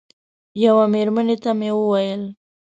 یوه مېرمنې ته مې وویل.